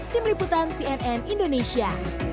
tim liputan cnn indonesia